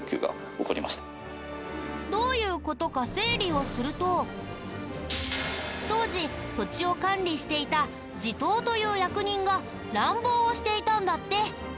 どういう事か整理をすると当時土地を管理していた地頭という役人が乱暴をしていたんだって。